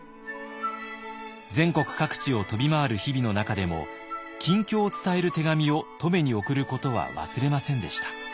全国各地を飛び回る日々の中でも近況を伝える手紙を乙女に送ることは忘れませんでした。